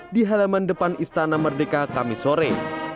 di halaman depan istana merdeka kamisore